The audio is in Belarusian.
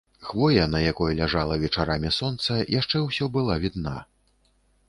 Хвоя, на якой ляжала вечарамі сонца, яшчэ ўсё была відна.